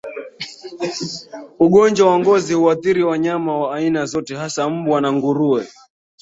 Ugonjwa wa ngozi huathiri wanyama wa aina zote hasa mbwa na nguruwe